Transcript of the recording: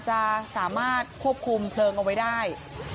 จะสามารถควบคุมเพลิงเอาไว้ได้